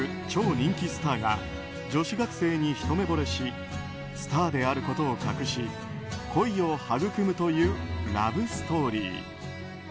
超人気スターが女子学生にひと目ぼれしスターであることを隠し恋をはぐくむというラブストーリー。